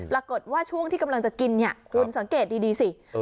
ปรากฏว่าช่วงที่กำลังจะกินเนี่ยคุณสังเกตดีสิ